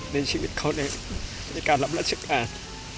ในชีวิตเขาในการรับราชการ